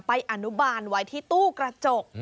อนุบาลไว้ที่ตู้กระจก